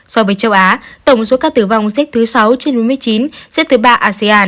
so với châu á tổng số ca tử vong xếp thứ sáu trên bốn mươi chín xếp thứ ba asean